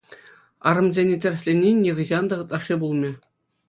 Арӑмсене тӗрӗслени нихӑҫан та ытлашши пулмӗ.